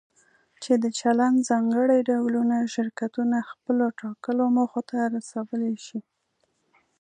چې د چلند ځانګړي ډولونه شرکتونه خپلو ټاکلو موخو ته رسولی شي.